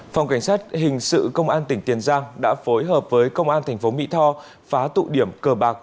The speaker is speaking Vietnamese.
phòng cảnh sát hình sự công an tỉnh tiền giang đã phối hợp với công an thành phố mỹ tho phá tụ điểm cờ bạc